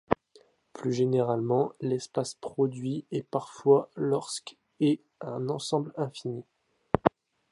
Plus généralement, l'espace produit est parfait lorsque est un ensemble infini.